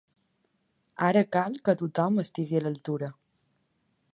Ara cal que tothom estigui a l’altura.